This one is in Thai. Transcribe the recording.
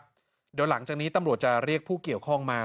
เดี๋ยวหลังจากนี้ตำรวจจะเรียกผู้เกี่ยวข้องมา